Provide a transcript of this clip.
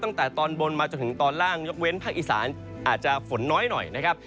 ตั้งแต่ตอนบนมาจนถึงตอนล่างยกเว้นภาคอีสานอาจจะฝนน้อยหน่อยนะครับ